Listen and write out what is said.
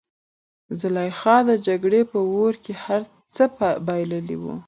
زلیخا د جګړې په اور کې هر څه بایللي وو.